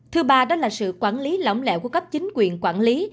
thứ ba đó là sự quản lý lỏng lẽo của các chính quyền quản lý